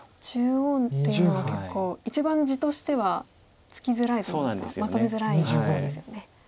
中央っていうのは結構一番地としてはつきづらいといいますかまとめづらいところですよね。